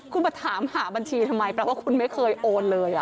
คุณมาถามหาบัญชีทำไมแปลว่าคุณไม่เคยโอนเลย